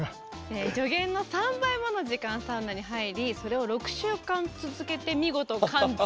助言の３倍もの時間サウナに入りそれを６週間続けて見事完治。